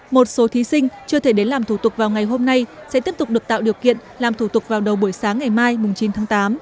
một số thí sinh chưa thể đến làm thủ tục vào ngày hôm nay sẽ tiếp tục được tạo điều kiện làm thủ tục vào đầu buổi sáng ngày mai chín tháng tám